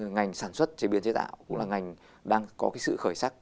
ngành sản xuất chế biến chế tạo cũng là ngành đang có cái sự khởi sắc